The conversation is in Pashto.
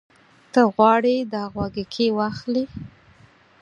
ته غواړې دا غوږيکې واخلې؟